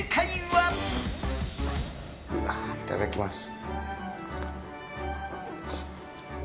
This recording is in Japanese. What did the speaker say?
いただきます。